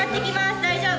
大丈夫。